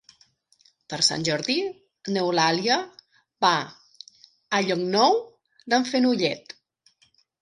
Per Sant Jordi n'Eulàlia va a Llocnou d'en Fenollet.